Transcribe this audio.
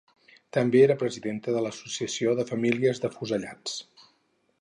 També era presidenta de l'Associació de Famílies d'Afusellats.